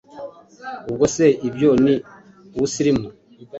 ubwo se ibyo ni ubsilimu,